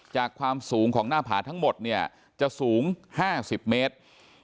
ความสูงของหน้าผาทั้งหมดเนี่ยจะสูง๕๐เมตร